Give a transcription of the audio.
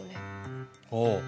ああ